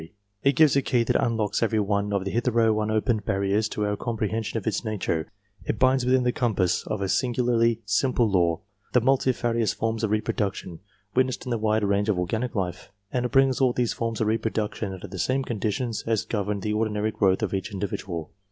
| It gives a key that unlocks every one of the hitherto ! unopened barriers to our comprehension of its nature ; it binds within the compass of a singularly simple law, the multifarious forms of reproduction, witnessed in the wide range of organic life, and it brings all these forms of repro \ duction under the same conditions as govern the ordinary growth of each individual.